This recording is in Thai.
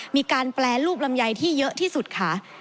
มีการแปรรูปลำไยที่เยอะที่สุดค่ะ